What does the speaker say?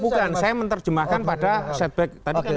oh bukan saya menerjemahkan pada setback